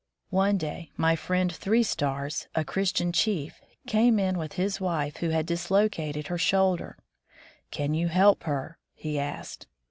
One day my friend Three Stars, a Christian chief, came in with his wife, who had dislocated her shoulder. "Can you help her?" he asked.